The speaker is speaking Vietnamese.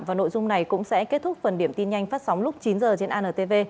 và nội dung này cũng sẽ kết thúc phần điểm tin nhanh phát sóng lúc chín h trên antv